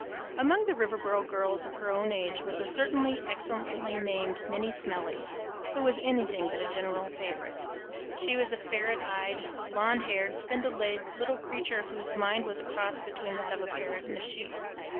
Among the Riverboro girls of her own age was a certain excellently named Minnie Smellie, who was anything but a general favorite. She was a ferret eyed, blond haired, spindle legged little creature whose mind was a cross between that of a parrot and a sheep.